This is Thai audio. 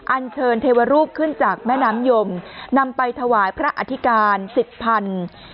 อันเชิญเทวรูปขึ้นจากแม่น้ำยมนำไปถวายพระอธิการสิบพัน